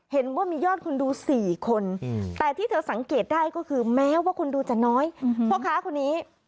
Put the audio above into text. เห็นว่ามียอดคนดู๔คน